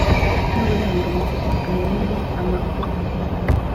n uburenganzira bwa nyir amakuru